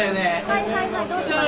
はいはいはいどうしました？